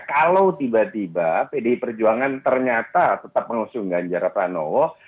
kalau tiba tiba pdi perjuangan ternyata tetap mengusung ganjar pranowo